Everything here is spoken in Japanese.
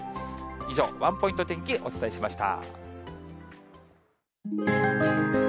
以上、ワンポイント天気、お伝えしました。